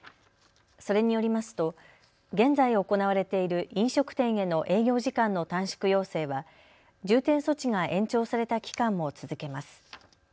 それによりますと現在行われている飲食店への営業時間の短縮要請は重点措置が延長された期間も続けます。